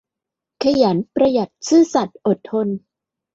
ขยัน ประหยัด ซื่อสัตย์ อดทน